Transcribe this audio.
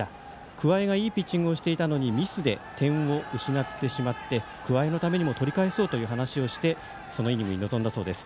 桑江がいいピッチングをしていたのにミスで点を失ってしまって桑江のためにも取り返そうと話をしてそのイニングに臨んだそうです。